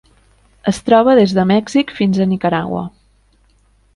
Es troba des de Mèxic fins a Nicaragua.